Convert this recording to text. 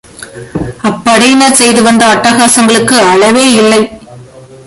அப்படையினர் செய்து வந்த அட்டகாசங்களுக்கு அளவேயில்லை.